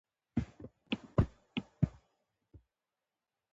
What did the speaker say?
دا خو لا ښه دی .